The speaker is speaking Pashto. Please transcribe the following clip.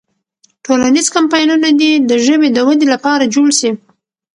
ټولنیز کمپاینونه دې د ژبې د ودې لپاره جوړ سي.